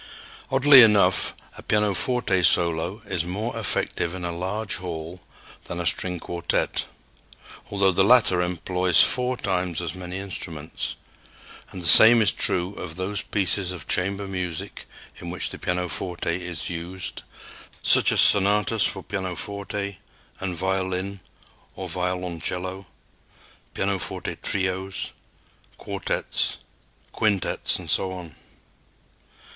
Oddly enough, a pianoforte solo is more effective in a large hall than a string quartet, although the latter employs four times as many instruments; and the same is true of those pieces of chamber music in which the pianoforte is used, such as sonatas for pianoforte and violin or violoncello, pianoforte trios, quartets, quintets, and so on.